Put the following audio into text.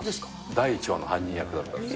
第１話の犯人役だったんです